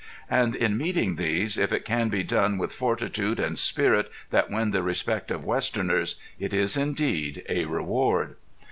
And in meeting these, if it can be done with fortitude and spirit that win the respect of westerners, it is indeed a reward.